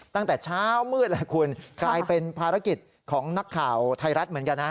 ตั้งแต่เช้ามืดแหละคุณกลายเป็นภารกิจของนักข่าวไทยรัฐเหมือนกันนะ